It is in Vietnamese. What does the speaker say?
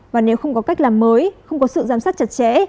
và nếu không có cách làm mới không có sự giám sát chặt chẽ